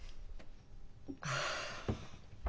ああ。